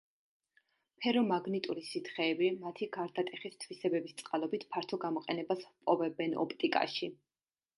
ფერომაგნიტური სითხეები მათი გარდატეხის თვისებების წყალობით ფართო გამოყენებას ჰპოვებენ ოპტიკაში.